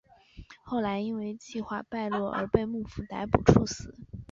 后来因为计划败露而被幕府逮捕处死。